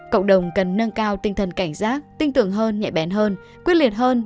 cộng đồng cần nâng cao tinh thần cảnh giác tin tưởng hơn nhẹ bén hơn quyết liệt hơn